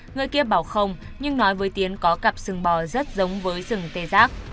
người kia bảo không nhưng nói với tiến có cặp sừng bò rất giống với rừng tê giác